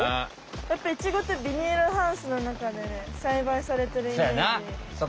やっぱイチゴってビニールハウスのなかでねさいばいされてるイメージ。